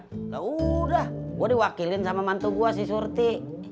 enggak udah gua diwakilin sama mantu gua si surti